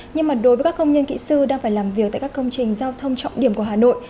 nhưng mà đối với các công nhân kỹ sư đang phải làm việc tại các công trình giao thông trọng điểm của hà nội